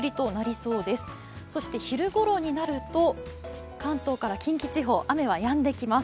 そして昼頃になると関東から近畿地方、雨はやんできます。